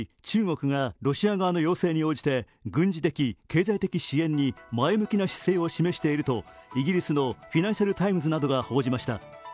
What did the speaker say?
中国がロシア側の要請に応じて軍事的・経済的支援に前向きな姿勢を示しているとイギリスの「フィナンシャル・タイムズ」などが報じました。